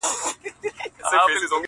د زيارتـونو يې خورده ماتـه كـړه _